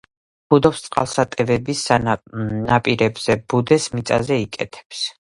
ბუდობს წყალსატევების ნაპირებზე, ბუდეს მიწაზე იკეთებს.